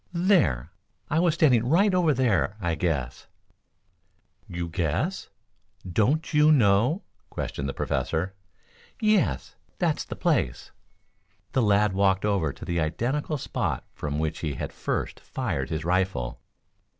"There! I was standing right over there I guess." "You guess! Don't you know?" questioned the Professor. "Yes; that's the place." The lad walked over to the identical spot from which he had first fired his rifle.